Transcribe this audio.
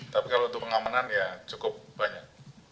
tapi kalau untuk pengamanan ya cukup banyak